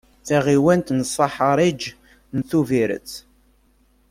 Taɣiwant n Saḥariǧ n Tuviret.